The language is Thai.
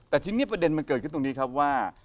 แต่ทีนี้ประเด็นมันเกิดขึ้นตรงนี้ครับว่า